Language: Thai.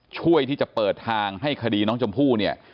ช่วยที่จะเปิดทางให้คดีน้องชมพู่เนี่ย